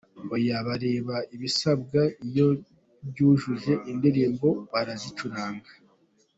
Oya bareba ibisabwa, iyo ubyujuje indirimbo barazicuranga”.